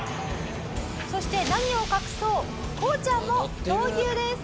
そして何を隠そうこうちゃんも闘牛です！